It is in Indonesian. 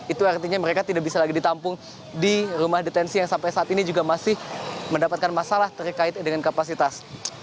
itu artinya mereka tidak bisa lagi ditampung di rumah detensi yang sampai saat ini juga masih mendapatkan masalah terkait dengan kapasitas